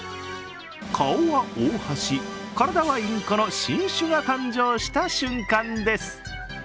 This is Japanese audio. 顔はオオハシ、体はインコの新種が誕生した瞬間です。